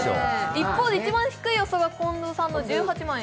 一方、一番低い予想は近藤さんの１８万円。